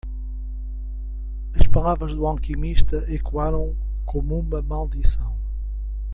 As palavras do alquimista ecoaram como uma maldição.